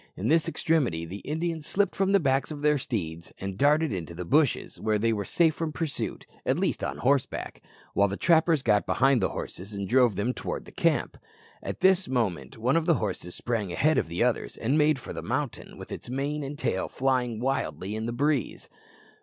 In this extremity the Indians slipped from the backs of their steeds and darted into the bushes, where they were safe from pursuit, at least on horseback, while the trappers got behind the horses and drove them towards the camp. At this moment one of the horses sprang ahead of the others and made for the mountain, with its mane and tail flying wildly in the breeze.